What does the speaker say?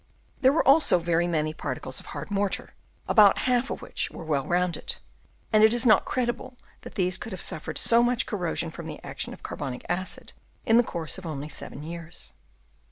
There were also very many particles of hard mortar, about half of which were well 256 DISINTEGRATION Chap. V. rounded ; and it is not credible that these could have suffered so much corrosion from the action of carbonic acid in the course of only seven years.